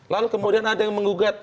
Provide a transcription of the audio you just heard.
lalu kemudian ada yang menggugat